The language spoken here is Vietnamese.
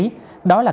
đó là cách tự nhiên